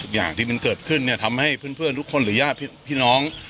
ทุกอย่างที่มันเกิดขึ้นเนี่ยทำให้เพื่อนเพื่อนทุกคนหรือย่าพี่พี่น้อง